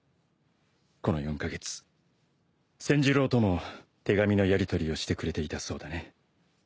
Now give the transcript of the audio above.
「この４カ月千寿郎とも手紙のやりとりをしてくれていたそうだね」